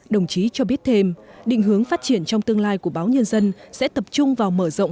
đồng chí cho biết thêm định hướng phát triển trong tương lai của báo nhân dân sẽ tập trung vào mở rộng